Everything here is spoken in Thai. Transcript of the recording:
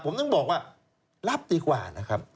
ผมถึงบอกว่ารับดีกว่านะครับ